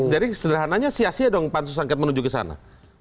jadi sederhananya sia sia dong pansusangkat menuju ke sana